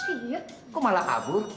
iya kok malah kabur